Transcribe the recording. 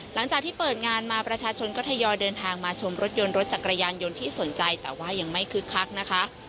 หลังจากที่เปิดงานมาประชาชนก็ทยอยเดินทางมาชมรถยนต์รถจักรยานยนต์ที่สนใจแต่ว่ายังไม่คึกคักนะคะ